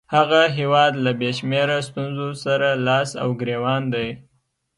هغه هیواد له بې شمېره ستونزو سره لاس او ګرېوان دی.